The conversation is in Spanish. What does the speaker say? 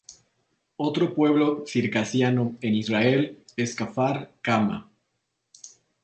Otro pueblo "circasiano" en Israel es Kfar Kama.